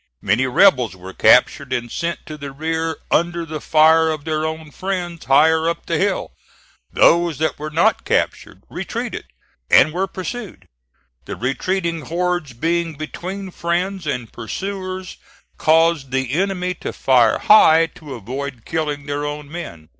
Many rebels were captured and sent to the rear under the fire of their own friends higher up the hill. Those that were not captured retreated, and were pursued. The retreating hordes being between friends and pursuers caused the enemy to fire high to avoid killing their own men.